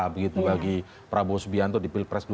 begitu bagi prabowo subianto di pilpres dua ribu empat